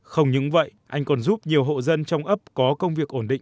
không những vậy anh còn giúp nhiều hộ dân trong ấp có công việc ổn định